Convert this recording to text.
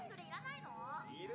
・いる！